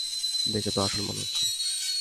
দেখে তো আসল মনে হচ্ছে।